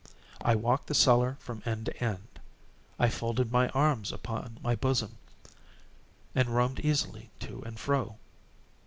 I walked the cellar from end to end. I folded my arms upon my bosom, and roamed easily to and fro.